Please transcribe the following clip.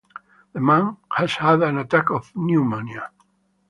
The man has had an attack of pneumonia.